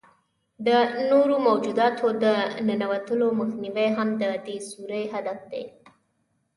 د نورو موجوداتو د ننوتلو مخنیوی هم د دې سوري هدف دی.